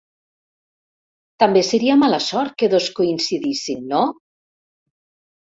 També seria mala sort que dos coincidissin, no?